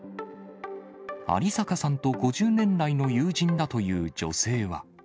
有坂さんと５０年来の友人だという女性は。